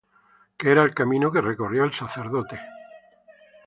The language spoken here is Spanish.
Que era el camino que recorría el sacerdote.